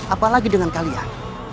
apalagi dengan kalian